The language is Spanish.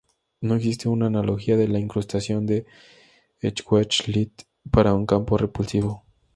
No existe una analogía de la incrustación de Schwarzschild para un campo repulsivo.